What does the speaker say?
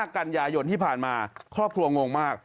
กันยายนที่ผ่านมาครอบครัวงงมาก